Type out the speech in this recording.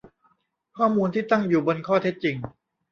ข้อมูลที่ตั้งอยู่บนข้อเท็จจริง